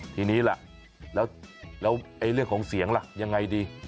ทีนี้ล่ะแล้วเรื่องของเสียงล่ะยังไงดี